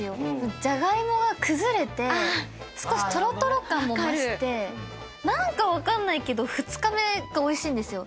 ジャガイモが崩れて少しとろとろ感も増して何か分かんないけど２日目がおいしいんですよ。